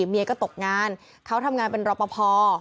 เมียก็ตกงานเขาทำงานเป็นรอปภ